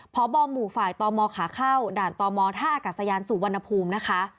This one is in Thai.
เพราะบ่อหมู่ฝ่ายตมขาเข้าด่านตมท่ากับสยานสุวรรณภูมินะคะ